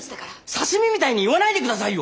刺身みたいに言わないで下さいよ！